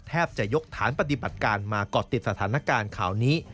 จะยกฐานปฏิบัติการมาก่อติดสถานการณ์ข่าวนี้